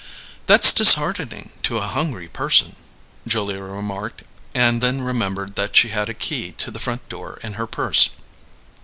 "That's disheartening to a hungry person," Julia remarked: and then remembered that she had a key to the front door in her purse.